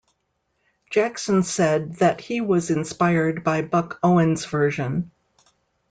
Jackson said that he was inspired by Buck Owens' version.